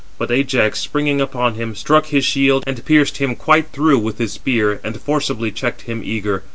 But Ajax, springing upon him, struck his shield, and pierced him quite through with his spear, and forcibly checked him eager.